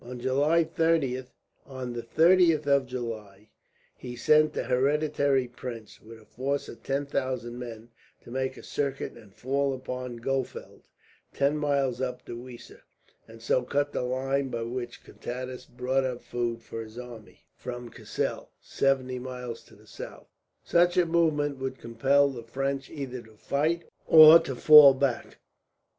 On the 30th of July he sent the Hereditary Prince, with a force of ten thousand men, to make a circuit and fall upon Gohfeld, ten miles up the Weser; and so cut the line by which Contades brought up the food for his army from Cassel, seventy miles to the south. Such a movement would compel the French either to fight or to fall back.